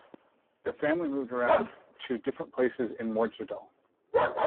The family moved around to different places in Morgedal.